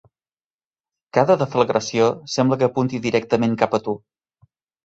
Cada deflagració sembla que apunti directament cap a tu